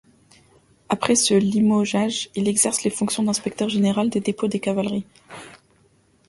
Après ce limogeage, il exerce les fonctions d'inspecteur général des dépôts de cavalerie.